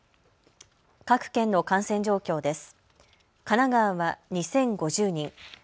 各県の感染状況です。